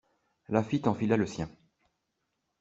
Laffitte enfila le sien.